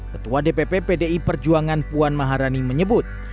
ketua dpp pdi perjuangan puan maharani menyebut